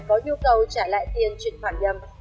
có yêu cầu trả lại tiền chuyển khoản nhầm